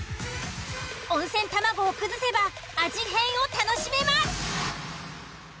温泉卵を崩せば味変を楽しめます。